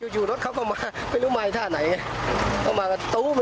อยู่รถเขาก็มาไม่รู้มาไอ้ท่าไหนเขามากระตุ๊บ